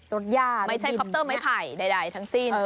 ยากไม่ใช่คอปเตอร์ไม้ไผ่ใดทั้งสิ้น